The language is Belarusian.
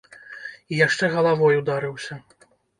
І яшчэ галавой ударыўся!